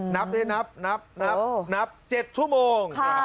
นับได้นับนับ๗ชั่วโมง